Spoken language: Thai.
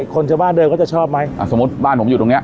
คนชาวบ้านเดินเขาจะชอบไหมสมมุติบ้านผมอยู่ตรงนี้